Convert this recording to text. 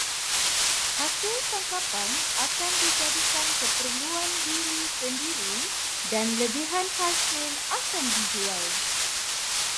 Hasil tangkapan akan dijadikan keperluan diri sendiri dan lebihan hasil akan dijual.